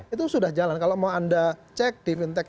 itu sudah jalan kalau mau anda cek di fintech